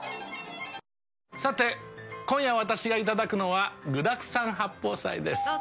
さて、今夜私がいただくのは具だくさん八宝菜です。